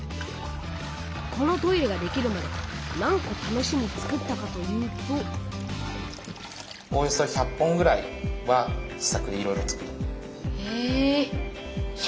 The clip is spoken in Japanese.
このトイレができるまで何こためしに作ったかというとおよそ１００本ぐらいは試作でいろいろ作りました。